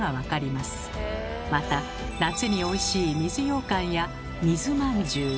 また夏においしい「水ようかん」や「水まんじゅう」